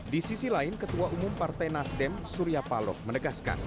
di sisi lain ketua umum partai nasdem surya paloh menegaskan